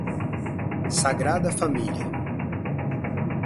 Sagrada Família